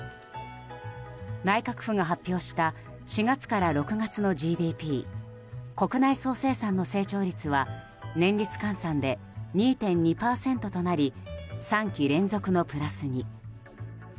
内閣府が発表した４月から６月のＧＤＰ・国内総生産の成長率は年率換算で２．２％となり３期連続のプラスに。